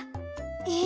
え！